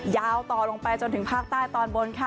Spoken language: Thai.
ต่อลงไปจนถึงภาคใต้ตอนบนค่ะ